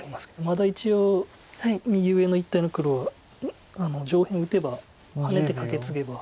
まだ一応右上の一帯の黒は上辺打てばハネてカケツゲば。